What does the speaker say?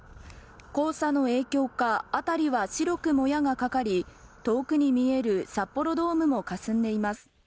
黄砂の影響か、あたりは白くもやがかかり、遠くに見える札幌ドームもかすんでいます。